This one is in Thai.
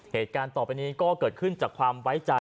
เหตุการณ์ต่อไปนี้ก็เกิดขึ้นจากความไว้ใจ